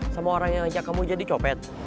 sama orang yang ajak kamu jadi copet